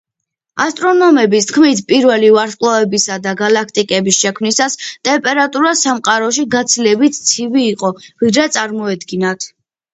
ასტრონომების თქმით, პირველი ვარსკვლავებისა და გალაქტიკების შექმნისას, ტემპერატურა სამყაროში გაცილებით ცივი იყო, ვიდრე წარმოედგინათ.